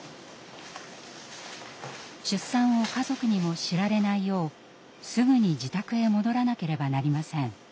出産を家族にも知られないようすぐに自宅へ戻らなければなりません。